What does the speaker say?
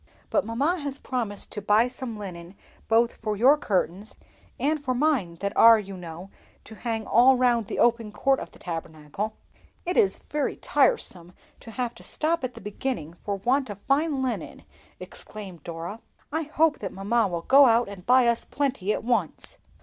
"But mamma has promised to buy some linen both for your curtains and for mine that are, you know, to hang all round the open court of the Tabernacle." "It is very tiresome to have to stop at the beginning for want of fine linen!" exclaimed Dora. "I hope that mamma will go out and buy us plenty at once."